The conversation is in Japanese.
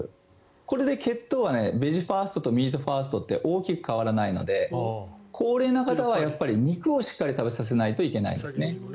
これで血糖は、ベジファーストとミートファーストって大きく変わらないので高齢の方は肉をしっかり食べさせないといけないですね。